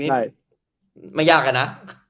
ในใกล้ไม่ยากอะนะ